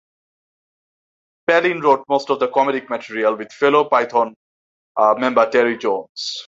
Palin wrote most of his comedic material with fellow Python member Terry Jones.